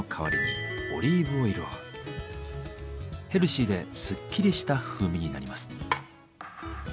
ヘルシーでスッキリした風味になります。